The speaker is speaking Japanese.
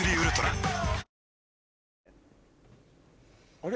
あれ？